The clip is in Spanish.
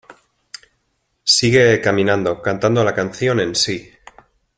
Sigue caminando, cantando la canción en sí.